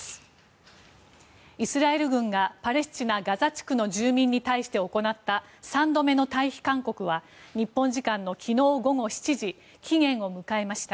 イスラエル軍がパレスチナ・ガザ地区の住民に対して行った３度目の退避勧告は日本時間の昨日午後７時期限を迎えました。